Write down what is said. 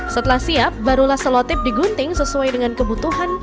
setelah siap barulah selotip digunting sesuai dengan kebutuhan